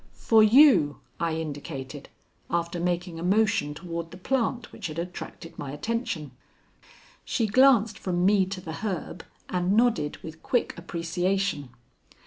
"For you," I indicated, after making a motion toward the plant which had attracted my attention. She glanced from me to the herb and nodded with quick appreciation.